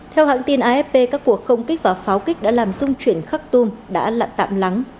theo hãng tin afp các cuộc không kích và pháo kích đã làm dung chuyển khắc tum đã lặn tạm lắng